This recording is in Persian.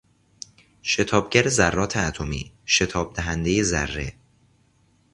شتابگر ذرات اتمی، شتابدهندهی ذره